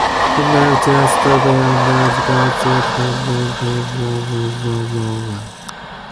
Conduct a study on logistics centers in Yekaterinburg and Novosibirsk.